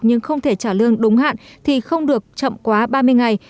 nhưng không thể trả lương đúng hạn thì không được chậm quá ba mươi ngày